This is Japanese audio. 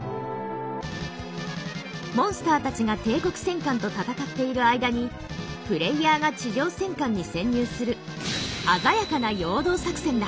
モンスターたちが帝国戦艦と戦っている間にプレイヤーが地上戦艦に潜入する鮮やかな陽動作戦だ。